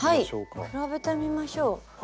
はい比べてみましょう。